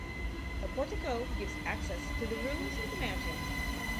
A portico gives access to the rooms of the mansion.